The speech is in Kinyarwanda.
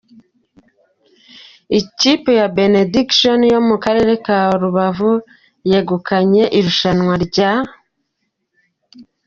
Ikipe ya Benediction yo mu karere ka Rubavu yegukanye irushanwa rya .